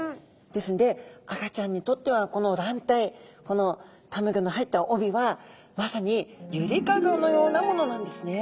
ですんで赤ちゃんにとってはこの卵帯このたまギョの入った帯はまさにゆりかごのようなものなんですね。